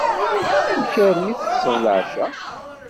Amek a mmi! Teṭseḍ leɛca?